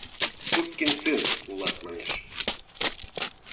— Сукин сын улат, манеш.